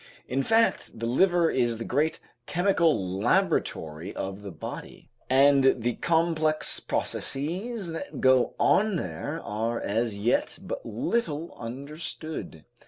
In fact the liver is the great chemical laboratory of the body, and the complex processes that go on there are as yet but little understood.